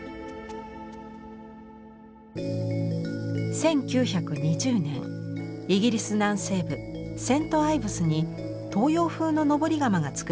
１９２０年イギリス南西部セントアイヴスに東洋風の登り窯がつくられました。